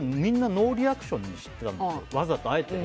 それみんなノーリアクションにしてたんです。